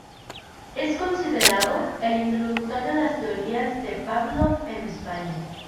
Es considerado el introductor de las teorías de Pávlov en España.